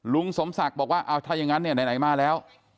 ลุงสมศักดิ์บอกว่าเอาถ้าอย่างนั้นเนี่ยไหนมาแล้ว